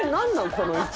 この位置。